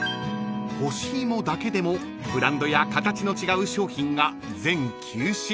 ［干し芋だけでもブランドや形の違う商品が全９種類］